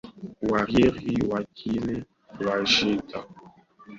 Warieri Wakine Wasweta na Waganjo Wagire Wakiseru Wakamageta na Waturi